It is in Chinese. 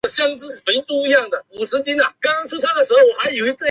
就是多了一分亲切感